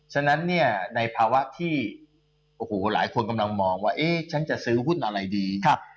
ฉะนั้นเนี่ยในภาวะที่โอ้โหหลายคนกำลังมองว่าเอ๊ะฉันจะซื้อหุ้นอะไรดี